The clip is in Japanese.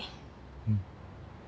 うん。